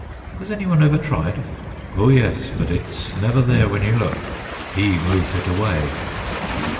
'Has any one ever tried?' 'Oh yes, but it's never there when you look; he moves it away.'"